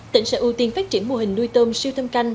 tỉnh sẽ ưu tiên phát triển mô hình nuôi tôm siêu thâm canh